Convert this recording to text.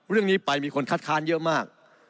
เรื่องนี้ไปมีคนคัดค้านเยอะมาก